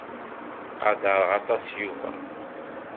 Ttqadareɣ aṭas Yuba.